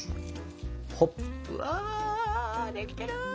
うわできてる！